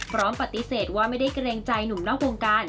พร้อมปฏิเสธว่าไม่ได้เกรงใจหนุ่มนอกวงการ